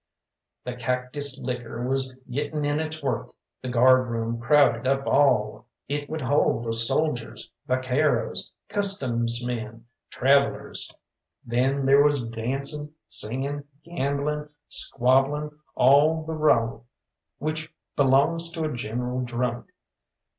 The cactus liquor was getting in its work, the guardroom crowded up all it would hold of soldiers, vaqueros, customs men, travellers; then there was dancing, singing, gambling, squabbling, all the row which belongs to a general drunk.